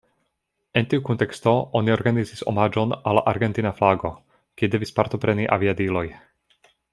En tiu kunteksto oni organizis omaĝon al la argentina flago, kie devis partopreni aviadiloj.